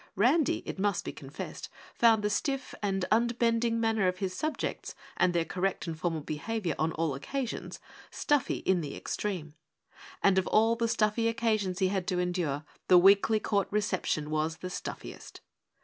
Randy, it must be confessed, found the stiff and unbending manner of his subjects and their correct and formal behavior on all occasions stuffy in the extreme; and of all the stuffy occasions he had to endure the weekly court reception was the stuffiest.